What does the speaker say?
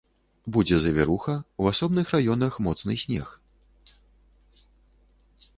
Будзе завіруха, у асобных раёнах моцны снег.